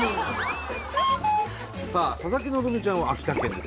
さあ佐々木希ちゃんは秋田県ですよね。